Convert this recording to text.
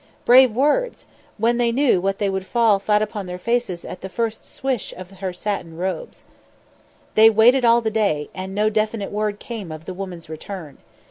Brave words! When they knew that they would fall flat upon their faces at the first swish of her satin robes. They waited all the day, and no definite word came of the woman's return.